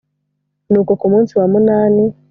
nuko ku munsi wa munani